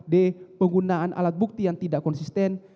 d penggunaan alat bukti yang tidak konsisten